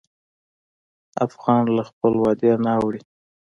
افغان له خپل وعدې نه اوړي.